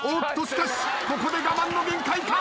しかしここで我慢の限界か？